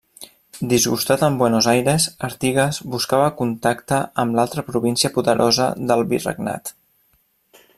Disgustat amb Buenos Aires, Artigas buscava contacte amb l'altra província poderosa del Virregnat.